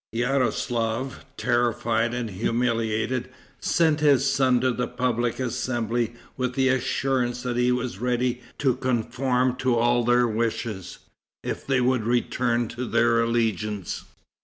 Yaroslaf, terrified and humiliated, sent his son to the public assembly with the assurance that he was ready to conform to all their wishes, if they would return to their allegiance.